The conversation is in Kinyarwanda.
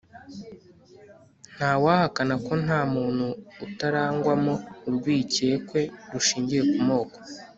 ntawahakana ko nta muntu utarangwamo urwikekwe rushingiye ku moko